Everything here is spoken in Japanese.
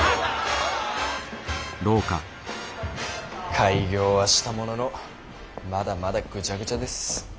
開業はしたもののまだまだぐちゃぐちゃです。